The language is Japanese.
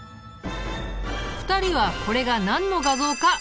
２人はこれが何の画像か分かるかな？